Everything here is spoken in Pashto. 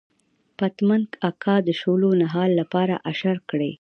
پتمن اکا د شولو نهال لپاره اشر کړی.